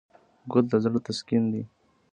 ګل د زړه تسکین دی.